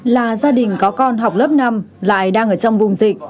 là gia đình có con học lớp năm lại đang ở trong vùng dịch